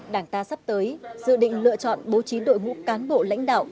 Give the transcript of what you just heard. đảng ta sắp tới dự định lựa chọn bố trí đội ngũ cán bộ lãnh đạo